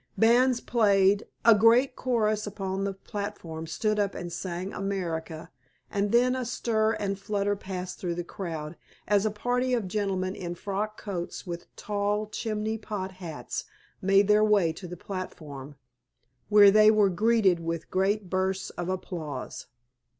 Bands played, a great chorus upon the platform stood up and sang "America," and then a stir and flutter passed through the crowd as a party of gentlemen in frock coats with tall "chimney pot" hats, made their way to the platform, where they were greeted with great bursts of applause.